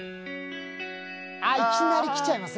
あいきなりきちゃいます？